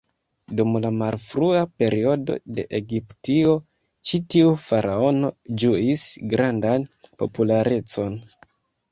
Dum la malfrua periodo de Egiptio, ĉi tiu faraono ĝuis grandan popularecon.